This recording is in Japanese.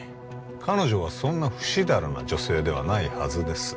彼女はそんなふしだらな女性ではないはずです